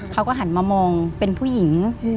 เขาก็หันมามองเป็นผู้หญิง